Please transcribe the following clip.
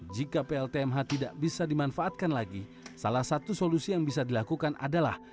jika pltmh tidak bisa dimanfaatkan lagi salah satu solusi yang bisa dilakukan adalah